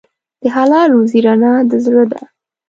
د حلال روزي رڼا د زړه ده.